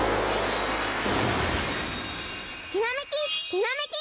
ひらめき！